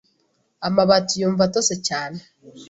Amabati yumva atose cyane.